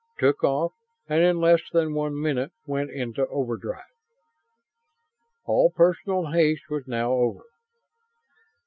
Took off, and in less than one minute went into overdrive. All personal haste was now over.